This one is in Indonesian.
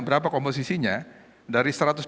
berapa komposisinya dari satu ratus empat puluh